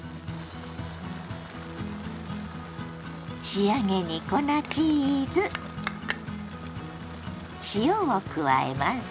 仕上げに粉チーズ塩を加えます。